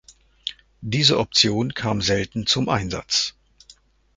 Diese Option kam selten zum Einsatz.